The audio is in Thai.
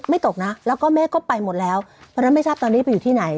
ตกนะแล้วก็แม่ก็ไปหมดแล้วเพราะฉะนั้นไม่ทราบตอนนี้ไปอยู่ที่ไหน